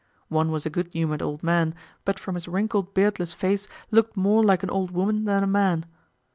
One was a good humoured old man, but from his wrinkled beardless face looked more like an old woman than a man.